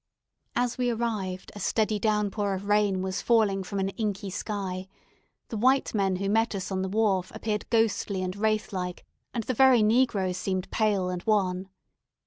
As we arrived a steady down pour of rain was falling from an inky sky; the white men who met us on the wharf appeared ghostly and wraith like, and the very negroes seemed pale and wan.